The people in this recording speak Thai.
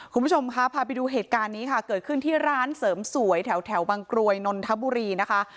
คุณผู้ชมค่ะพาไปดูเหตุการณ์นี้ค่ะเกิดขึ้นที่ร้านเสริมสวยแถวบางกรวยนนทบุรีนะคะ